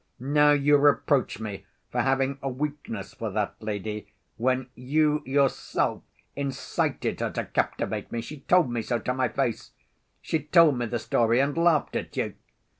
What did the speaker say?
Now you reproach me for having a weakness for that lady when you yourself incited her to captivate me! She told me so to my face.... She told me the story and laughed at you....